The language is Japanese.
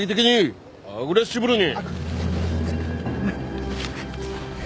アグレッシブルに。